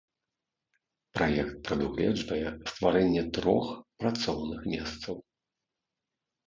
Праект прадугледжвае стварэнне трох працоўных месцаў.